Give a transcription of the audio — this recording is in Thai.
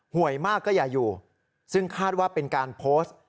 วยมากก็อย่าอยู่ซึ่งคาดว่าเป็นการโพสต์